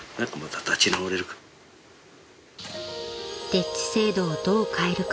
［丁稚制度をどう変えるか］